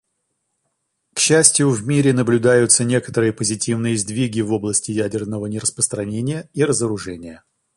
К счастью, в мире наблюдаются некоторые позитивные сдвиги в области ядерного нераспространения и разоружения.